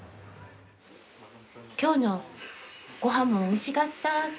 「今日のごはんもおいしかった。